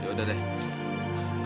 ya udah deh